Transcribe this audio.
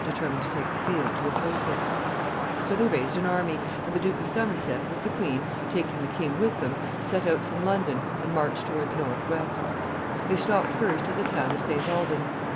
] So they raised an army, and the Duke of Somerset, with the queen, taking the king with them, set out from London and marched toward the northwest. They stopped first at the town of St. Alban's.